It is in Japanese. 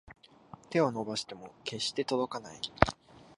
手を伸ばしても決して届かない